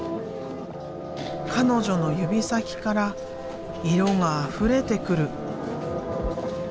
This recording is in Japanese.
彼女の指先から色があふれてくる。